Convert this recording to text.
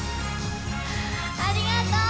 ありがとう！